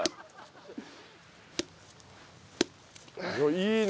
いいね。